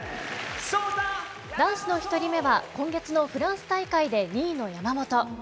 男子の１人目は、今月のフランス大会で２位の山本。